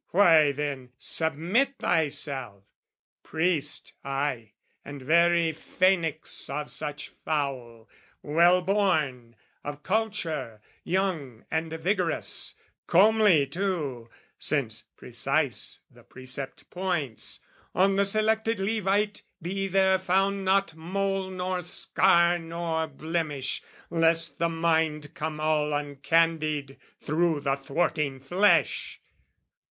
Why then, submit thyself! Priest, ay and very phaenix of such fowl, Well born, of culture, young and vigorous, Comely too, since precise the precept points On the selected levite be there found Not mole nor scar nor blemish, lest the mind Come all uncandid through the thwarting flesh!